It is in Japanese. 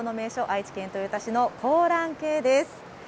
愛知県豊田市の香嵐渓です。